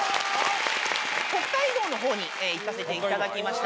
北海道のほうに行かせていただきました。